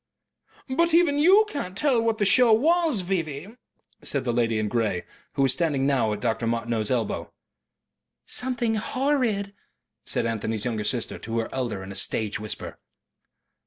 "But even you can't tell what the show was, V.V." said the lady in grey, who was standing now at Dr. Martineau's elbow. "Something horrid," said Anthony's younger sister to her elder in a stage whisper.